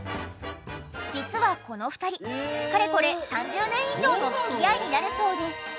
実はこの２人かれこれ３０年以上の付き合いになるそうで。